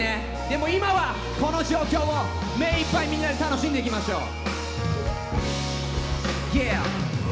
でも今はこの状況を目いっぱいみんなで楽しんでいきましょう。